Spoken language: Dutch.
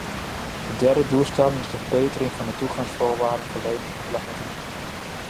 De derde doelstelling is de verbetering van de toegangsvoorwaarden voor leningen op lange termijn.